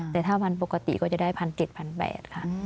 แต่ถ้ามันปกติก็จะได้พันเก็บพันแบบค่ะ